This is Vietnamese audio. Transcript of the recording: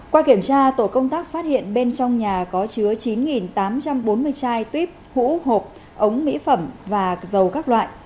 qua kiểm tra tổ công tác phát hiện bên trong nhà có chứa chín tám trăm bốn mươi chai tuyếp hũ hộp ống mỹ phẩm và dầu các loại